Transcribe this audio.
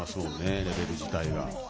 レベル自体が。